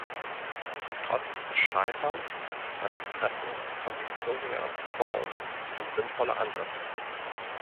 Trotz des Scheiterns war das Treffen von Victoria Falls ein sinnvoller Ansatz.